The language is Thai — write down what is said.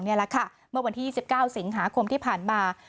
เมื่อวันที่๒๙สิงหาคมที่ผ่านมา